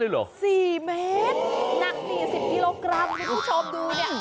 หนัก๔๐กิโลกรัมคุณผู้ชมดูเนี่ย